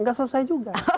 tidak selesai juga